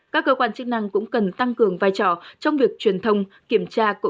các cơ quan chức năng cũng cần tăng cường vai trò trong việc truyền thông kiểm tra